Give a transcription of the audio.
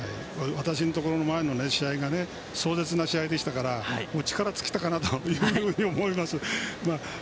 私のところの前の試合が壮絶でしたから力尽きたかというふうに思いました。